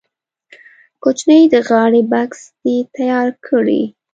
کوچنی د غاړې بکس دې تیار کړي.